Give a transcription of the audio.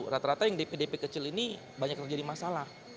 rata rata yang dpdp kecil ini banyak terjadi masalah